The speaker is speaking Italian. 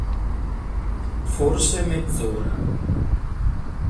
Forse mezz'ora.